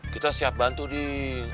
kita siap bantu broding